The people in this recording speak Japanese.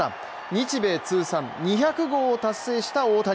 日米通算２００号を達成した大谷。